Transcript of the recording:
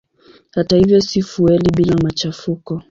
Hata hivyo si fueli bila machafuko.